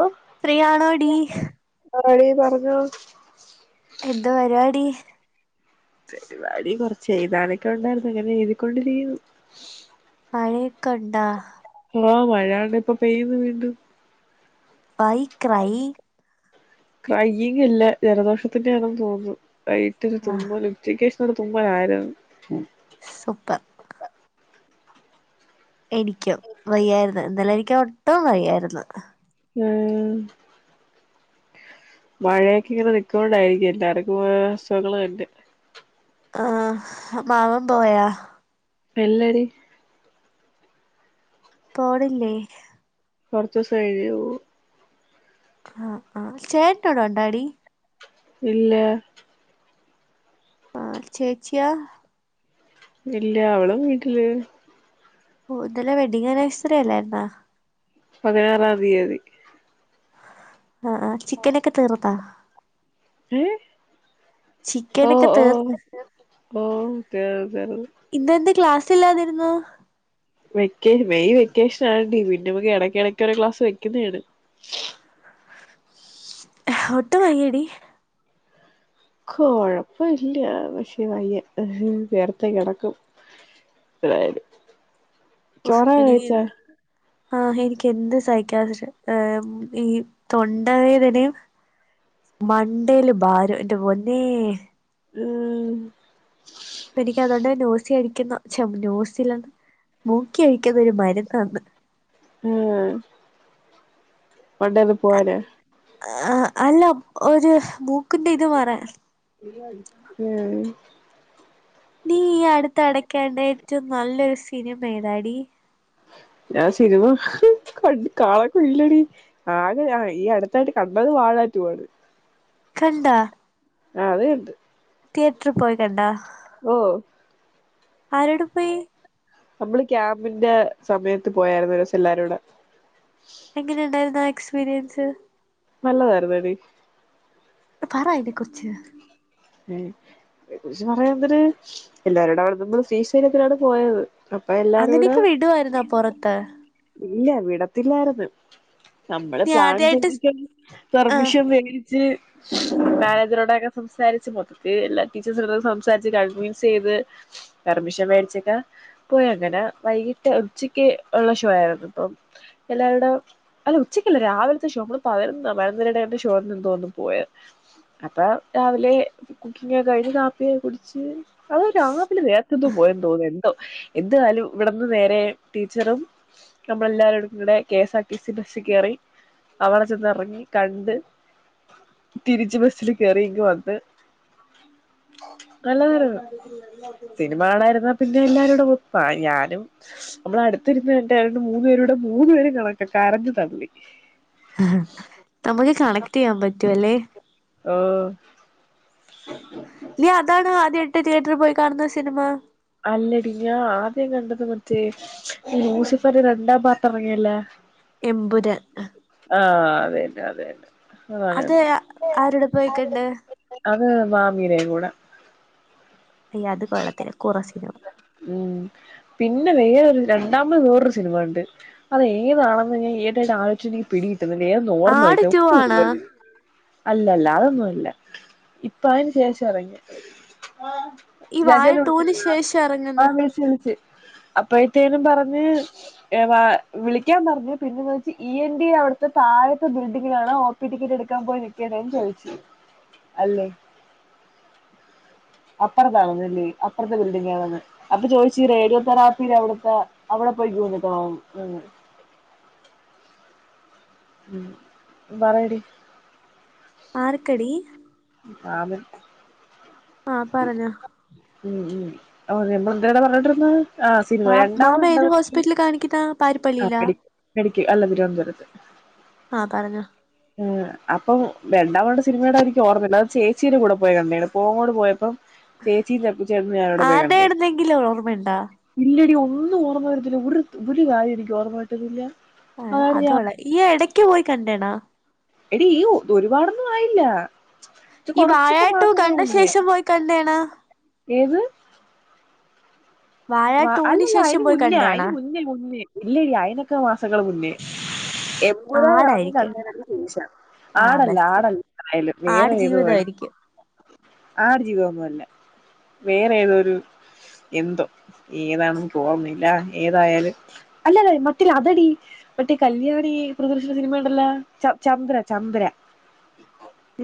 ഓ ഫ്രീയാണോ ടി? ആടീ പറഞ്ഞോ. എന്താ പരിവാടി? പരിവാടി കൊറച്ച് എഴുതാനൊക്കെ ഒണ്ടായിര്ന്ന് ഇങ്ങനെ എഴുതിക്കൊണ്ടിരിക്ക്ന്നു. മഴയക്കണ്ടോ? ആ മഴയാണ് ഇപ്പ പെയ്യുന്നു വീണ്ടും. Y cry? ക്രൈയിങ്ങില്ല ജലദോഷത്തിൻ്റാണെന്ന് തോന്നുന്നു. [inaudible] ആ തുമ്മലും ഉച്ചക്ക് തുമ്മലാര് സുപ്പർ എനിക്കോ വയ്യായിര്ന്ന് ഇന്നലെനിക്ക് ഒ ഒട്ടും വയ്യായിര്ന്ന് മൂ മഴയൊക്കെ ഇങ്ങനെ നിക്ക്ണോണ്ടായിരിക്കും [inaudible] ആ മാമൻ പോയാ ഇല്ലടി പോണില്ലേ കൊർച്ചൂസം കഴിഞ്ഞേ പോവൂ ആ ആ ചേട്ടനുണ്ടാടി ഇല്ലാ ആ ചേച്ചിയൊ ഇല്ല അവളും വീട്ടില് ഓ ഇന്നലെ വെഡിങ്ങ് അനിവേഴ്സറി അല്ലായിര്ന്നോ പതിനാറാം തിയതി അ ആ ചിക്കനൊക്കെ തീർത്താ ഏ ഓ ചിക്കനൊക്കെ തീർന്ന് ഓ ഓ ചെല്ലാതിരുന്നു വെക്കേ മെയ് വെക്കേഷനായോണ്ട് പിന്നെ എടക്കെടക്കെ ഒരു ക്ലാസ്സ് വെക്ക്യൂന്നാണ് ഒട്ടും വയ്യടി കൊഴപ്പ ഇല്ല പക്ഷെ വയ്യ നേർത്തെ കെടക്കും എതായാലും ചോറൊക്കെ കഴിച്ച ആഹ് എനിക്ക് എന്ത് സഹിക്കാൻ പക്ഷേ ആ ഈം തൊണ്ടവേദനയും മണ്ടയ്ല് ഭാരം എന്റെ പൊന്നേ ഉം അപ്പനിക്ക് അതോണ്ട് നോസിയയിക്കുന്ന ചം നോസില്ലാന്ന് മൂക്കി ഓഴിക്കുന്ന ഒരു മരുന്നുണ്ട് ഏ മണ്ടേൽ പോലെ ആ അല്ല ഒരു മൂക്കിന്റെ ഇത് മാറാൻ ഉം നീ അടു തൊടാക്കാനായിട്ട് ഏറ്റവും നല്ലൊരു സിനിമ ഏതാടി ഞാൻ സിനിമ ക കാണത്തില്ലടി ആകെ ഈ അടുത്തായിട്ട് കണ്ടത് വാഴ ടു ആണ് കണ്ട അത് കണ്ട് തിയേറ്റർ പോയിക്കണ്ടാ ഓ ആരൂടെ പോയി നമ്മള് ക്യാമ്പിന്റെ സമയത്ത് പോയായിരുന്നു ഒരുസം എല്ലാരുടെ എങ്ങനെ ഉണ്ടായിരുന്ന എക്സ്പീരിയൻസ് നല്ലതായിരുന്നടി പറ ഇത് കൊച്ച് പറയാ എന്തര് എല്ലാരുട അവിടെ നമ്മള് ശ്രീ ശൈര്യത്തിലാണ് പോയത് അപ്പൊ എല്ലാരും കൂടെ അങ്ങനെയൊക്കെ വിടുവായിരുന്നോ പൊറത്ത്. ഇല്ല വിടത്തില്ലായിരുന്നു. നമ്മള് നീ പ്ലാൻ ചെയ് ആദ്യായിട്ട് [unintelligible] ആഹ് പെർമിഷൻ വേടിച്ച് മാനേജറോടൊക്കെ സംസാരിച്ച് മൊത്തത്തി എല്ലാ ടീച്ചേഴസോ സംസാരിച്ച് കൺവീൻസ് ചെയ്ത് പെർമിഷൻ മേടിച്ചൊക്കെ പോയി, അങ്ങനെ വൈകിട്ട് ഉച്ചക്ക് ഒള്ള ഷ് ഷോ ആരുന്നു ഇപ്പം എല്ലാവരുടെ അല്ല ഉച്ചക്കല്ല രാവിലത്തെ ഷോ മ്മള് പതിന്ന് പതിനൊന്നരയുടെ എന്റെ ഷോന്ന് എന്തോന്നും പോയെ, അപ്പോ രാവിലെ കുക്കിങ്ങക്കെ കഴിഞ്ഞ് കാപ്പിയ കുടിച്ച് അത് രാവിലെ നേർത്തെ എന്തും പോയെന്ന് തോന്നുന്നു എന്തോ എന്തായാലും ഇവിടെന്ന് നേരെ ടീച്ചറും നമ്മളെല്ലാരോടും ഇവിടെ K S R T C ബസ്സി കേറി, അവിടെ ചെന്ന് എറങ്ങി കണ്ട് തിരിച്ച് ബസ്സിൽ കേറി ഇങ്ങ് വന്ന് നല്ലതാർന്നു, സിനിമ കാണാനിർന്ന പിന്നെ എല്ലാരുടെ പ ഞാനും നമ്മള അടുത്തിര് ഇത് കണ്ടായിണ്ട് മൂന്ന്പേരും കൂടെ മൂന്ന് പേരും കണക്കെ കരഞ്ഞു തള്ളി. നമുക്ക് കണക്ട് ചെയ്യാൻ പറ്റുവല്ലെ. ഓ [unintelligible] നീ അതാണോ ആദ്യായിട്ട് തിയേറ്ററി പോയി കാണുന്ന സിനിമ. അല്ലടി ഞാ ആദ്യം കണ്ടത് മറ്റേ ലൂസിഫറു രണ്ടാം പാർട്ട് എറങ്ങിയല്ലെ. എബൂരാൻ അതെന്നെ അതെന്നെ അത് അ ആരൂടെ പോയിക്കണ്ട്. അത് മാമീടെ കൂടെ അയ്യേ അത് കൊള്ളത്തില്ല കൂറ സീന ഉം പിന്നെ വേറൊരു രണ്ടാമത് വേറൊരു സിനിമ കണ്ട് അത് ഏതാണെന്ന് ഞാൻ ഏദേശം ആലോച്ച് എനിക്ക് പിടികി [unintelligible] ഓർമ ആട് കിട്ടും ടു ആണോ [unintelligible] അല്ലല്ല അതൊന്നുംല്ല ഇപ്പോ അതിന് ശേഷം എറങ്ങിയെ. ഈ [unintelligible] വാഴ ടൂന് ശേഷം ഇറങ്ങുന്ന വിളിച്ചിരുന്നോ? അപ്പഴത്തേനും പറഞ്ഞ് എ വ വിളിക്കാൻ പറഞ്ഞു പിന്നെ വിളിച്ച് ഇ എൻ ഡി അവിടുത്തെ താഴത്തെ ബിൽഡിങ്ങിലാണ് ഒ പി ടിക്കറ്റ് എടുക്കാൻ പോയി നിക്കേണ്ടന്ന് ചോദിച്ച് അല്ലെ അപ്പ [unintelligible] അപ്പറത്തെ ബിൽഡിംഗ് ആണന്ന് അപ്പ ചോദിച്ചച്ച് റേഡിയോ തെറാപ്പിടെ അവിടത്തെ അവിടെ പോയി ക്യൂ നിക്കണോന്ന് മ് പറടി ആർക്കടി [unintelligible] ആഹ് പറഞ്ഞോ. ഉം ഉം ആ നമ്മൾ എന്തെട പറഞ്ഞോണ്ടിരുന്നത്. ആ സിനിമ മാ മാമ രണ്ടാമത് എന്താ ഏത് പഠിക്ക് ഹോസ്പിറ്റ്ല് കാണിക്കുന്ന പാരിപ്പള്ളില്ലാ. ക്ക് അല്ല തിരുവനന്തപുരത്ത്. പറഞ്ഞോ മ് അപ് അപ്പം രണ്ടമത് കണ്ട സിനിമേടെ എനിക്ക് ഓർമല്ല, അത് ചേച്ചീടെ കൂടെ പോയി കണ്ടേ ആണ്, പൊങ്കോട് പോയ ചേച്ചി [unintelligible] ഞാനവിടെ പോയ ആരുടെ കണ്ടേ ആയിരുന്നെങ്കിലും ഓർമ്മയുണ്ടാ ഇല്ലടി ഒന്ന് ഒന്നും ഓർമ്മ വരത്തില്ല, ഒരുത് ഒരു കാര്യം എനിക്ക് ഓർമ്മ കിട്ടുന്നില്ല. ആ അതാണ് ഞാൻ അതോളെ ഈ എടക്ക് പോയി കണ്ടേ ആണോ? എടി ഈ ഒ ഒരുപാടൊന്നും ആയില്ല. ഈ വഴാ കൊറച്ചൊക്കെ ടു മാസങ്ങൾ കണ്ട മുന്നേ ശേഷം പോയി കണ്ടേ ആണോ? ഏത് വാഴ വ ടൂന് അല്ലല്ല ശേഷം അയിന് പോയി മുന്നേ അയിന് കണ്ടേണാ മുന്നേ മുന്നേ ഇല്ലല്ല അയിതിനൊക്കെ വ മുന്നേ എവിടാ ഇറങ്ങി ആടായിരിക്കും കണ്ടേ ശ ആ ആടല്ല ബെസ്റ്റ് ആടല്ലായാലും വേറെ ആട് ഏത് വേ ജീവിതമായിരിക്കും ആട് ജീവിത വേറെ ഏതോരു എന്തോ ഏതാണെന്ന് ഓർന്നില്ല ഏതായാലും അല്ലത മറ്റില്ല അതടി മറ്റേ കല്യാണി പ്രദർശിച്ച സിനിമ ഉണ്ടല്ല ച ചന്ദ്ര ചന്ദ്ര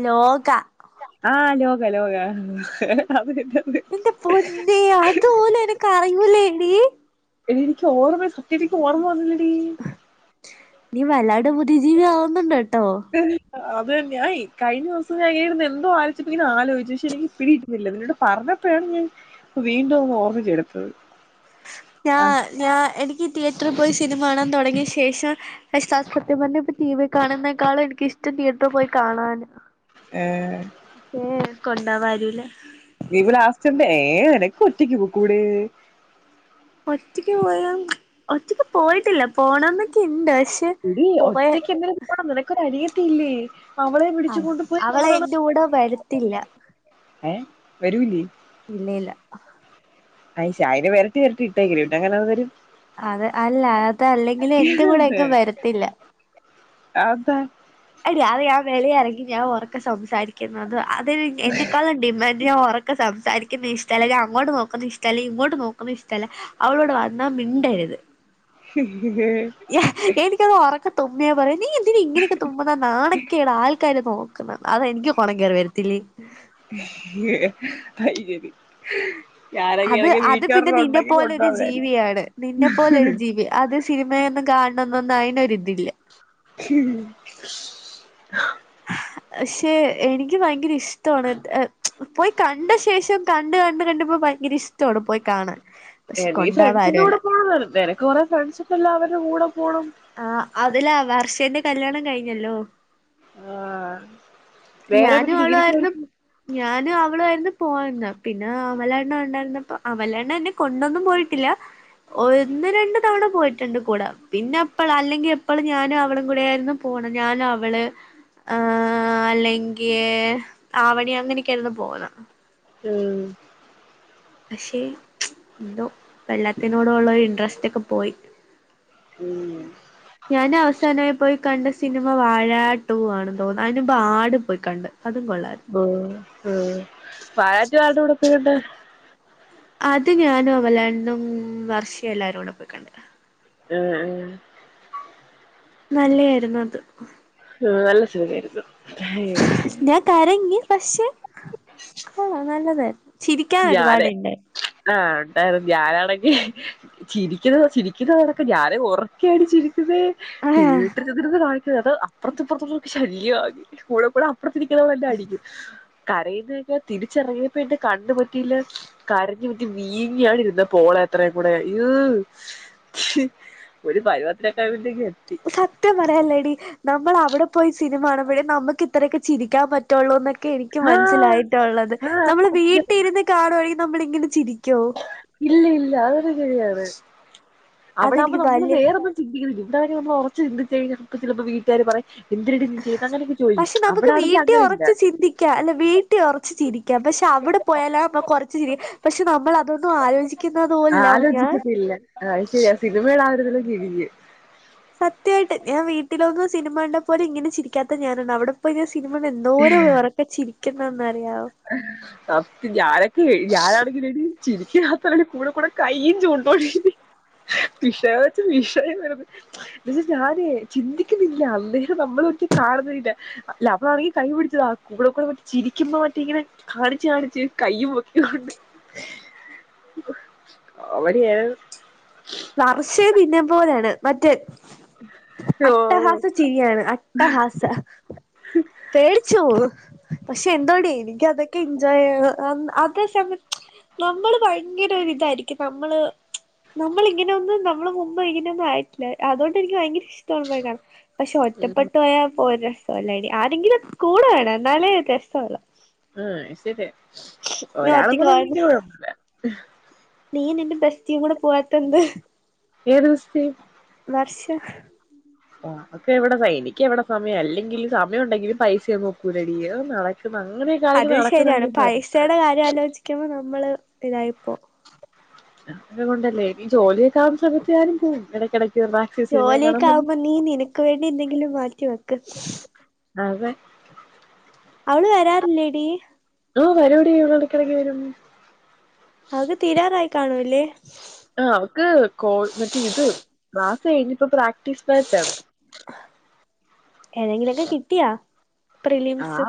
ലോക ആ ലോക ലോക എടി എന്റെ പൊന്നെ അതുപോലും എനക്ക് അറിയൂലേ [unintelligible] എനി എനിക്ക് ഓർമ്മയ സത്യ എനി ഓർമ്മ വന്നില്ല രു ജീവി ആവുന്നുണ്ട് കേട്ടോ ഉം അതന്നയാ കഴിഞ്ഞ ദിവസം ഞാൻ ഇങ്ങനെയിരുന്നു എന്തോലോച്ചിപ്പ ഇങ്ങനെ ആലോചിച്ചു പക്ഷെ എനിക്ക് പിടി ഇട്ടുന്നില്ല എന്നോട് പറഞ്ഞപ്പോഴാണ് ഞാൻ വീണ്ടു ഒന്ന് ഓർമ്മിചെടുത്തത് ഞാ ഞാൻ എനിക്ക് തീച്ച തിത്രൽ പോയി സിനിമ കാണാൻ തുടങ്ങിയ ശേഷം അതാസ് സത്യം പറഞ്ഞെ ഇപ്പ ടി വി കാണുന്നതിനേക്കാളും എനിക്കിഷ്ടം തിയേറ്ററിൽ പോയി കാണാൻ എഏ കൊണ്ടാവാരുല്ലേ ഇവടലാസ്റ്റന്റെ ഏ നിനക്ക് ഒറ്റയ്ക്ക് പോക്കൂടെ ഒറ്റക്ക് പോയാ ഒറ്റക്ക് പോയിട്ടില്ല പോണംന്നൊക്കെ ഇണ്ട് പക്ഷെ പോയ ഒറ്റക്ക് എന്ത പോണം നിനക്കൊനി ത്തിയില്ലേ ആ അവളെ എന്റെ കൂടെ വരത്തില്ല ഏ വരൂലേ ഇല്ല ഇല്ല അ്ഷായനെ വരട്ടി വരട്ടി ഇട്ടേക്കല്ലേ ഇട്ടേക്കുവല്ലേ പിന്നെങ്ങനെ അതു വരും അത് അല്ല അതല്ലെങ്കിൽ എന്റെ കൂടെ എങ്ങും വരത്തില്ല അത് ന്താ അത് ഞാൻ വെളിയെറങ്ങി ഞാൻ ഒറക്കെ സംസാരിക്കുന്നതാ അതിന് എന്നെക്കാളും ഡിമാൻഡ് ഞാൻ ഒറക്കെ സംസാരിക്കുന്ന ഇഷ്ടല്ല ഞാൻ അങ്ങോട്ട് നോക്കുന്ന ഇഷ്ട് ടല്ല ഇങ്ങോട്ട് നോക്കുന്ന ഇഷ്ടല്ല അവളോട് വന്നാ മിണ്ടരുത് ഹും യെഹ് എനിക്കതോറക്ക തുമ്മിയ പറയ് നീയെന്തിനാ ഇങ്ങനെയെക്ക തുമ്മുന്ന നാണക്കേടാൾക്കാര് നോ ചുമ്മാ അതാ എനിക്കു കൊണം കേറി വരത്തില്ലേ അയ്ശരി അത് അത് പിന്നെ നിന്നെ പോലൊരു കൊണ്ടുപോകാമായിരുന്നു ജീവിയാണ്, നിന്നെ പോലൊരു ജീവി, അത് സിനിമയൊന്നും കാണുന്ന ന്നയിനൊരിതില്ല. പക്ഷേ എനിക്ക് ഭയങ്കര ഇഷ് [unintelligible] പോയി കണ്ട ശേഷം കണ്ട് കണ്ട് കണ്ട്പ്പോ ഭയങ്കര ഇഷ്ടമാണ് പോയ് കാണാൻ ഏ പക്ഷെ നീ കൊണ്ടോവാൻ ഫ്രണ്ട്സിന്റെ ആരുല്ല കൂടെ പോണെ നേരെ കൊറേ ഫ്രണ്ട്സൊക്കെല്ലവര്ടെ കൂടെ പോണം തല്ലാ വർഷേന്റെ കല്യാണം കയ്ഞ്ഞല്ലോ ആഹ് ഞാനും അവളു ആയ്ര്ന്നു ഞാനും അവളു ആയ്ര്ന്നു പോവാഞ്ഞ പിന്നെ അമലേട്ട്നെ കണ്ടണ്ടപ്പം അമലേട്ട്നെന്നെ കൊണ്ടൊന്നും പോയിട്ടില്ല ഒന്ന് രണ്ട് തവണ പോയിട്ട്ണ്ട് കൂടെ പിന്നപ്പള് അല്ലെങ്കി എപ്പളും ഞാനും അവളും കൂടേര്ന്നു പോണ ഞാന വള് ആഹ് അല്ലെ ങ്ക്യേ ആവണി അങ്ങനെക്കെയാര്ന്നു പോവ്ന്നെ ഊം പക്ഷേ എന്തോ പ്പല്ലാത്തിനോടൊള്ളൊര് ഇൻട്റെസ്റ്റൊക്കെ പോയി ഉം ഞാനവസാനായ് പോയ് കണ്ട സിനിമ വാഴാ ടൂവാണെന്ന് തോന്ന് അയ്നുമ്പ് ആട് പോയ് കണ്ട് അതും കൊള്ളാര് ഉം വാഴാ റ്റു ആര്ടെ കൂടെ ര്‌ടെ അത് ഞാനും അമലേട്ട്നും വർഷിം എല്ലാരൂടെ പോയ്കണ്ട് ആഹ് ആഹ് നല്ലെയായിരുന്നു അത് ആഹ്‌ നല്ല സിനിമേയിരുന്നു ഞാൻ കരഞ്ഞ് പഷേ കൊള്ളാം നല്ലതായ് ചിരിക്കാൻ ഒരുപാട് ഞാന് ഇണ്ട് ആഹ് ഇണ്ടായിരുന്നു ഞാനാണെങ്കി ചിരിക്കിന്ന ചിരിക്കിന്നണക്കെ ഞാന് ഒറക്കയാടി ചിരി [unintelligible] ആഹ് തിയേറ്ററില് ചെന്നിരുന്ന് കാ ച്ചെ അത് അപ്പുറത്തും ഇപ്പുറത്തുള്ളോല്ക്ക് ശല്ല്യാക്കി [unintelligible] അപ്രത്തിരിക്കിന്നവന് എന്നെ അടിക്കും കരയുന്നോയിച്ചാല് തിരിച്ചറങ്ങിയപ്പന്റെ കണ്ണ് പൊ ക്കില്ലാ കരഞ്ഞുത്തി വീങ്ങിയാണ് ഇരുന്നെ പോളത്രയും കൂടെ ഈഹ് ഒരു പരവത്തിലൊക്കായപ്പത്തേക്ക് സത്യം പറയാല്ലെടി നമ്മള അ വ്ടെ പോയി സിനിമാണുമ്പഴേ നമ്മക്ക് ഇത്രയൊക്കെ ചിരിക്കാൻ പറ്റോളുന്നക്ക് ക്കെ എനിക്ക് ആഹ് മന്സ്സിലായിട്ടൊള്ളത് നമ്മള് വീട്ടിര്ന്ന് കാണുവാണേയി നമ്മളിങ്ങനെ ചിരി ഇല്ലില്ല [unintelligible] അവിടാമ്പൊ അതെനിക്ക് നമ്മള് വല്യ വേറൊന്നും ചിന്തിക്കുന്നില്ലല്ലോ [unintelligible] നമ്മൾ ഒറച്ചു ചിന്തിച്ചു കഴിഞ്ഞാൽ അപ്പൊ ചിലപ്പോ വീട്ടുകാര് പറയും എന്തിനെടി നീ ചെയ്തേ അങ്ങനെയൊക്കെ ചോദിക്കും. പക്ഷെ നമുക്ക് അവിടാണെങ്കി വീട്ടി അങ്ങനെയില്ല. ഒറച്ച് ചിന്തിക്കാം അല്ല വീട്ടി ഒറച്ച് ചിരിക്കാം പക്ഷെ അവിടെ പോയാലാവുമ്പൊ കുറച്ച് പക്ഷെ നമ്മൾ അതൊന്നും ആലോചിക്കുന്നുന്നത് പോലും ആലോചിക്കത്തില്ല. ആഹ് അത് ശരിയാ [unintelligible] [unintelligible] സത്യമായിട്ട് ഞാൻ വീട്ടിലൊന്നും സിനിമ കണ്ടപോലും ഇങ്ങനെ ചിരിക്കാത്ത ഞാനാണ് അവിടെ പോയി സിനിമ കണ്ട് [inaudible] എന്തോരം ഉറക്കെ ചിരിക്കുന്നെന്നറിയാവോ ഞാനൊക്കെയെ ഞാനാണെങ്കിലെടി [unintelligible] കൂടെക്കൂടെ കൈയ്യും ചൂണ്ടുമെടി [unintelligible] [unintelligible] എന്നച്ച ഞാനേ ചിന്തിക്കുന്നില്ല അന്നേരം [unintelligible] കാണുന്നുവില്ല [unintelligible] കൈ പിടിച്ച് ആ കൂടെക്കൂടെ മറ്റെ ചിരിക്കുമ്പോ മറ്റേ ഇങ്ങനെ കാണിച്ച് കാണിച്ച് കൈയ്യും പൊക്കിക്കൊണ്ട് കോമഡിയാർന്നു വർഷേ നിന്നെപ്പോലാണ് മറ്റേ ഓഹ് അട്ടഹാസ ചിരിയാണ് അട്ടഹാസ പേടിച്ച് പോവും പക്ഷെ എന്തോടെ എനിക്ക് അത് എൻജോയ് അതേ [unintelligible] നമ്മള് ഭയങ്കരൊരിതാരിക്കും നമ്മള് നമ്മളിങ്ങനൊന്നും നമ്മള് മുമ്പ് ഇങ്ങനൊന്നും ആയിട്ടില്ല അതുകൊണ്ടെനിക്ക് ഭയങ്കര [unintelligible] പക്ഷെ ഉം ഒറ്റപ്പെട്ട് പോയാ [unintelligible] ആരെങ്കിലുവൊക്കെ കൂടെ വേണം എന്നാലെ ഒരു രസവുള്ളു ആഹ് ശരി നീ ഒരാളും ഒറ്റക്ക് കൂടൊണ്ടെങ്കി കുഴപ്പമില്ല [unintelligible] നീയും നിന്റെ ബെസ്റ്റീം കൂടെ പോവാത്തെന്ത് ഏത് ബെസ്റ്റി വർഷ ഓ അവക്ക് എവിടെന്ന എനിക്കെവിടെ സമയം അല്ലെങ്കിലി സമയം ഒണ്ടെങ്കിലും പൈസയൊന്നൊക്കൂല്ലെടി അതൊന്നും നട അത് ശരിയാണ് പൈസടെ കാര്യം ആലോചിക്കുമ്പോ നമ്മ മ്മള് ഇതായിപ്പോ ഞാനതുകൊണ്ടല്ലേ എനിക്ക് ജോലിയൊക്കെ ആവുന്ന സമയത്ത് ഞാനും പോകും ഇടക്കിടക്ക് ജോലിയൊക്കെ ആവുമ്പോ നീ നിനക്ക് വേണ്ടി എന്തെങ്കിലും മാറ്റി വെക്ക് അതെ അവള് വരാറില്ലേടീ ഓ വരൂടി അവള് എടക്കെടക്ക് വരും അവൾക്ക് തീരാറായി കാണൂലേ ആ അവക്ക് കോഴ് മറ്റേ ഇത് ക്ലാസ്സ് കഴിഞ്ഞ് ഇപ്പോ പ്രാക്ടീസ് ബാച്ച് ആണ് ഏതെങ്കിലൊക്കെ കിട്ടിയാ പ്രിലിംസ്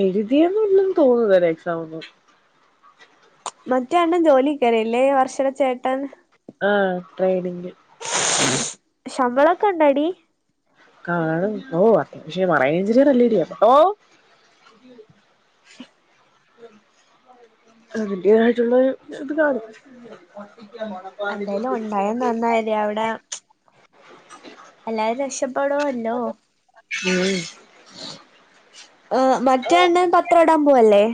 എഴുതിയേനൊന്നും തോന്ന [unintelligible] എക്സാമൊന്നും മറ്റേ അണ്ണൻ ജോലിക്ക് കേറി ല്ലേ വർഷടെ ചേട്ടൻ ആഹ് ട്രേഡിങ് ശമ്പളൊക്കെ ഇണ്ടോടി കാണും ഓ അത്യാവശ്യം മറൈൻ എഞ്ചിനിയറല്ലെടി അപ്പോ അതിന്റേതായിട്ടുള്ളൊരു ഇത് കാണും എന്തേലും ഉണ്ടായ നന്നായല്ലെ അവിടെ മ് ച്ച് എല്ലാരും രക്ഷപ്പെടോല്ലോ ഉം ഏ് മറ്റേ അണ്ണൻ പത്രടാൻ പോവല്ലേ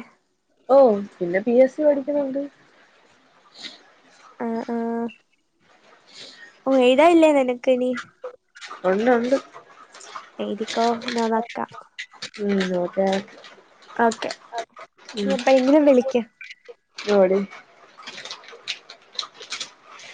ഓ പിന്നെ പി എസ് സി പഠിക്കുന്നുണ്ട് പൂ എഴുതാൻ ഇല്ലേ [unintelligible] ക്ക് നി ഒണ്ട് ഒണ്ട് എഴുതിക്കോ ഞാൻ വെക്കാം ഉം നോക്കാ ഓക്കെ ഞി എപ്പോഴെങ്കിലും വിളിക്ക് [unintelligible]